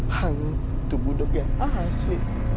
hantu budok yang asli